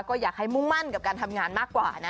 ก็อยากให้มุ่งมั่นกับการทำงานมากกว่านะ